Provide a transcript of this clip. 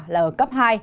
là ở cấp hai